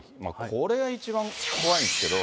これが一番怖いんですけど。